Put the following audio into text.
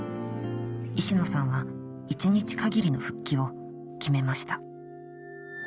石野さんは一日限りの復帰を決めました